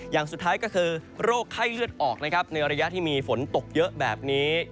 อย่างสุดท้ายก็คือโรคไข้เลือดออกนะครับในระยะที่มีฝนตกเยอะแบบนี้